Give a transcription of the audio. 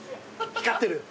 光ってる。